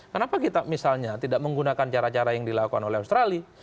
kenapa kita misalnya tidak menggunakan cara cara yang dilakukan oleh australia